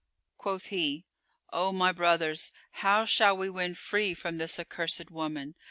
Quoth he, "O my brothers, how shall we win free from this accursed woman?